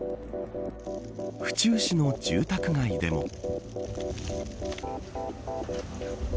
府中市の住宅街でも。